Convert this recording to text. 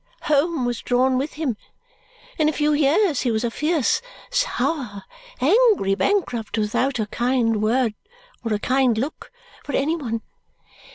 Home was drawn with him. In a few years he was a fierce, sour, angry bankrupt without a kind word or a kind look for any one.